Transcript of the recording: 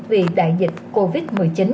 vì đại dịch covid một mươi chín